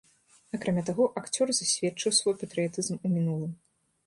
Акрамя таго, акцёр засведчыў свой патрыятызм у мінулым.